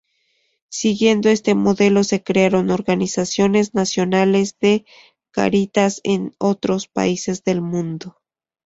Siguiendo este modelo se crearon organizaciones nacionales de Cáritas en otros países del mundo.